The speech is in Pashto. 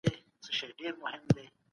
سانسور ولې د پوهي پر وړاندې خنډ جوړېږي؟